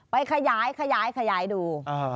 ไปขยายดู